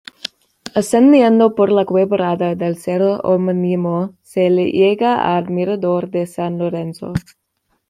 Ascendiendo por la quebrada del cerro homónimo, se llega al mirador de San Lorenzo.